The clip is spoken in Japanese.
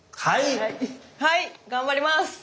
はい頑張ります。